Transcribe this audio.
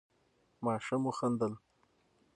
ماشوم وخندل.